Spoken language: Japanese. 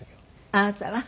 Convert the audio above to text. あなたは？